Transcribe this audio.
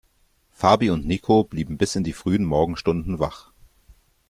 Fabi und Niko blieben bis in die frühen Morgenstunden wach.